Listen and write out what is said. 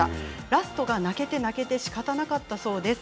ラストが泣けて泣けてしかたなかったそうです。